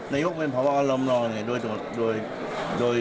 แล้วก่อนการประชุมคณะรัฐมนตรีในวันนี้